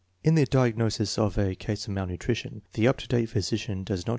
In the diagnosis of a case of malnutrition, the up to date physician does not?